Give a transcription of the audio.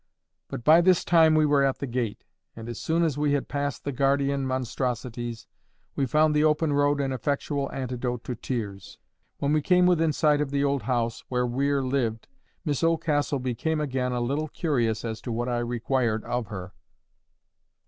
But by this time we were at the gate, and as soon as we had passed the guardian monstrosities, we found the open road an effectual antidote to tears. When we came within sight of the old house where Weir lived, Miss Oldcastle became again a little curious as to what I required of her.